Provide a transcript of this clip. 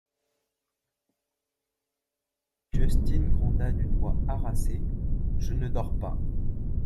Justin gronda d'une voix harassée : Je ne dors pas.